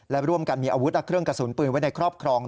และร่วมกันมีอาวุธและเครื่องกระสุนปืนไว้ในครอบครอง